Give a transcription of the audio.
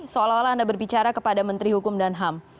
seolah olah anda berbicara kepada menteri hukum dan ham